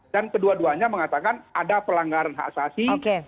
dan kedua duanya mengatakan ada pelanggaran hak asasi